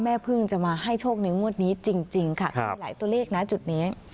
แม่พึ่งจะมาให้โชคในงวดนี้จริงค่ะก็มีหลายตัวเลขนะจุดนี้